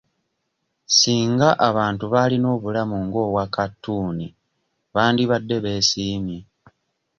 Singa abantu baalina obulamu ng'obwa katuuni bandibadde beesimye.